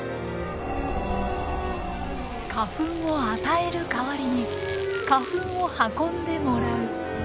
花粉を与える代わりに花粉を運んでもらう。